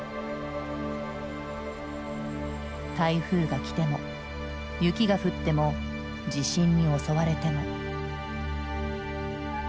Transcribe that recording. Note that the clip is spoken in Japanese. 台風がきても雪が降っても地震に襲われても。